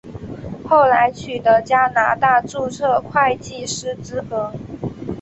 后来取得加拿大注册会计师资格。